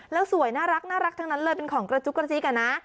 แล้วสวยน่ารักทั้งนั้นเลยเป็นของกระจุกกระจิ๊กอะนะ